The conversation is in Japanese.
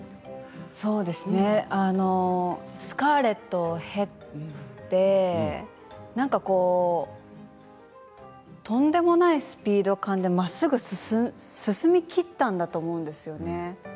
そうですね「スカーレット」を経て何かこうとんでもないスピード感でまっすぐ進みきったと思うんですよね。